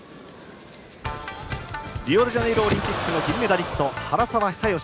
リオデジャネイロオリンピックの銀メダリスト、原沢久喜。